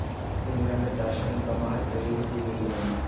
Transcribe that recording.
ইংলণ্ডের দার্শনিকগণও হয়তো এইরূপই বলিবেন।